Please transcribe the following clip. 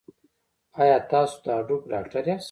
ایا تاسو د هډوکو ډاکټر یاست؟